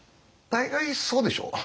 大概そうでしょう。